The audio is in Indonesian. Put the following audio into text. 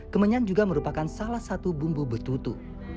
kemenyan juga merupakan salah satu bumbu betutu